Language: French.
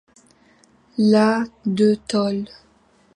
La de tôle.